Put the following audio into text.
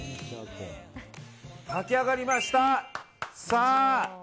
炊き上がりました。